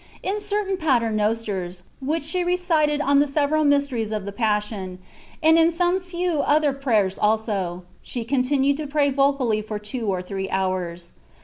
In certain ^^ Pater Nosters,^^ which she recited on the several mys teries of the Passion, and in some few other prayers also, she continued to pray vocally for two or three hours.